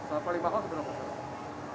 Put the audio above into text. oke paling mahal apa beneran